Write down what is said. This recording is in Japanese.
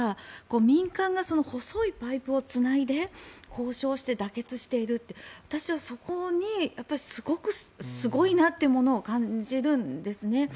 民間が細いパイプをつないで交渉して妥結しているって私はそこにすごくすごいなというものを感じるんですね。